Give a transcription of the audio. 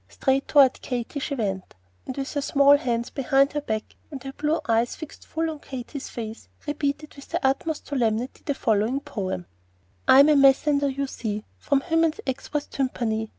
Straight toward Katy she went, and with her small hands behind her back and her blue eyes fixed full on Katy's face, repeated with the utmost solemnity the following "poem:" "I'm a messender, you see, Fwom Hymen's Expwess Tumpany.